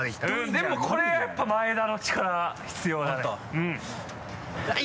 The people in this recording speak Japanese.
でもこれやっぱ前田の力必要だね。